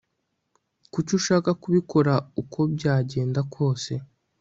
kuki ushaka kubikora uko byagenda kose